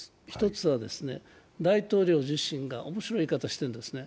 １つは大統領自身が面白い言い方をしているんですね。